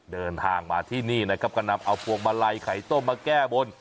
เดินทางมาที่นี่นะครับก็นำเอาพวงมาลัยไข่ต้มมาแก้บน